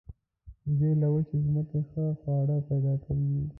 وزې له وچې ځمکې ښه خواړه پیدا کوي